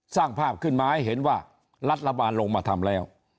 สร้างภาพขึ้นมาให้เห็นว่ารัฐบาลลงมาทำแล้ว